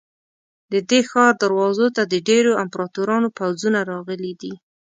د دې ښار دروازو ته د ډېرو امپراتورانو پوځونه راغلي دي.